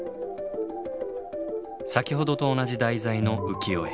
先ほどと同じ題材の浮世絵。